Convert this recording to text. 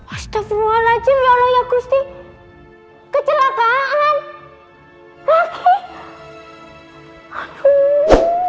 astagfirullahaladzim ya allah ya gusti kecelakaan lagi